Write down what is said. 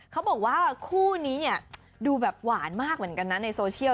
เขาบอกว่าคู่นี้เนี่ยดูแบบหวานมากเหมือนกันนะในโซเชียล